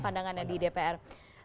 pandangannya di dpr